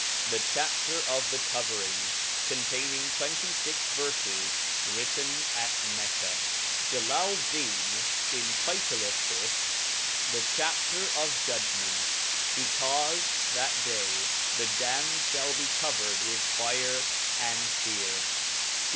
The Chapter of the Covering, containing twentjfix VerfeSy Writ ten at Mccc2l, Geialdin intitnleth thls^the Chapter of Judgment yhecanfe that day the damned fbal be covered With fire and fear.